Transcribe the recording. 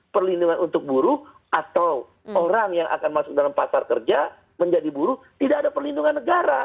perlindungan untuk buruh atau orang yang akan masuk dalam pasar kerja menjadi buruh tidak ada perlindungan negara